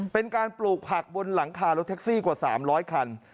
เป็นการปลูกผักบนหลังคารถแท็กซี่กว่า๓๐๐คัน